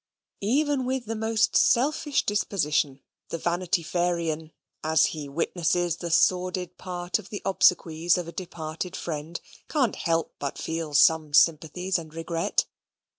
Even with the most selfish disposition, the Vanity Fairian, as he witnesses this sordid part of the obsequies of a departed friend, can't but feel some sympathies and regret.